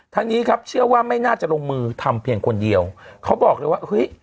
ทางนี้ครับเชื่อว่าไม่น่าจะลงมือทำเพียงคนเดียวเขาบอกเลยว่าเฮ้ย